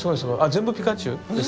全部ピカチュウですか？